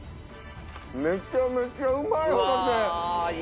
めちゃめちゃうまい！